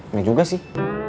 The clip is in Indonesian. iya juga sih